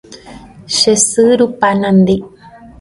che sy rupa nandi